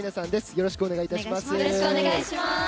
よろしくお願いします。